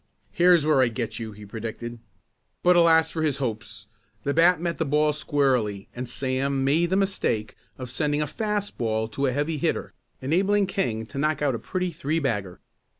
"Here's where I get you!" he predicted. But alas for his hopes! The bat met the ball squarely and Sam had made the mistake of sending a fast ball to a heavy hitter enabling King to knock out a pretty three bagger.